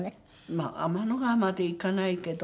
まあ天の川までいかないけど。